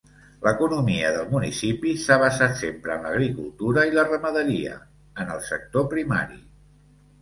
L'economia del municipi s'ha basat sempre en l'agricultura i la ramaderia, en el sector primari.